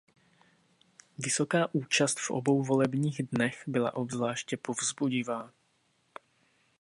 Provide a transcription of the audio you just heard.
Vysoká účast v obou volebních dnech byla obzvláště povzbudivá.